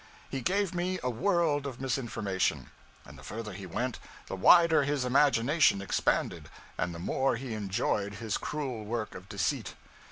He gave me a world of misinformation; and the further he went, the wider his imagination expanded, and the more he enjoyed his cruel work of deceit.